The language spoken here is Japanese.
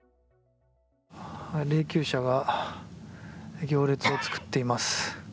霊きゅう車が行列を作っています。